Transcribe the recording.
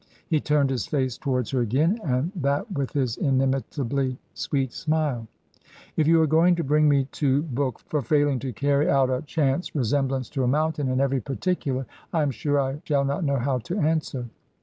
He turned his face towards her again, and that with his inimitably sweet smile. " If you are going to bring me to book for failing to carry out a chance resemblance to a mountain in every particular, I am sure I shall not know how to answer."